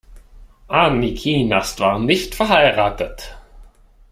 Annie Kienast war nicht verheiratet.